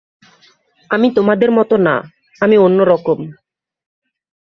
আমি তোমাদের মতো না, আমি অন্য রকম।